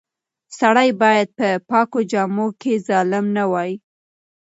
سړی باید په پاکو جامو کې ظالم نه وای.